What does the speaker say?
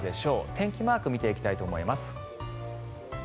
天気マークを見ていきたいと思います。